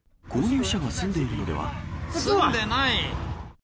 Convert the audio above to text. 住んでない。